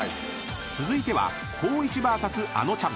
［続いては光一ＶＳあのちゃん］